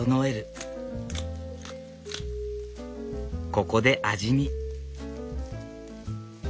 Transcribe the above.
ここで味見。